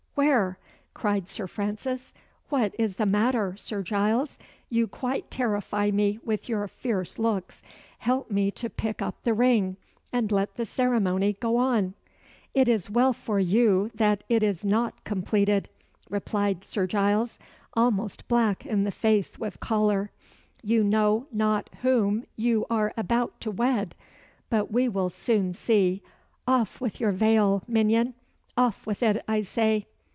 where?" cried Sir Francis. "What is the matter, Sir Giles? You quite terrify me with your fierce looks. Help me to pick up the ring, and let the ceremony go on." "It is well for you that it is not completed," replied Sir Giles, almost black in the face with choler. "You know not whom you are about to wed. But we will soon see. Off with your veil, minion! Off with it, I say!"